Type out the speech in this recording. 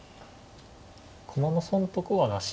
駒の損得はなし。